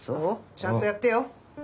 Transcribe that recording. ちゃんとやってよ！